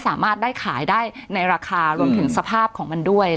สามารถได้ขายได้ในราคารวมถึงสภาพของมันด้วย